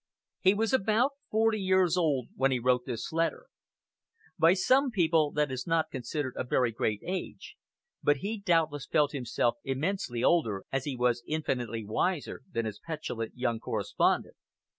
He was about forty years old when he wrote this letter. By some people that is not considered a very great age; but he doubtless felt himself immensely older, as he was infinitely wiser, than his petulant young correspondent.